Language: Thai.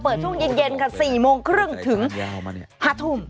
ช่วงเย็นค่ะ๔โมงครึ่งถึง๕ทุ่ม